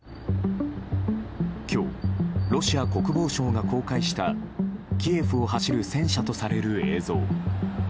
今日、ロシア国防省が公開したキエフを走る戦車とされる映像。